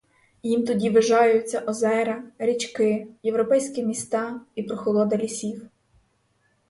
Їм тоді ввижаються озера, річки, європейські міста і прохолода лісів.